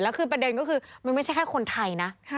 แล้วคือประเด็นก็คือมันไม่ใช่แค่คนไทยนะ